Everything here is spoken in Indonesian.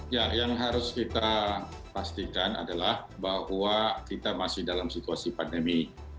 ya yang harus kita pastikan adalah bahwa kita masih dalam situasi pandemi